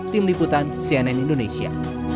tim liputan cnn indonesia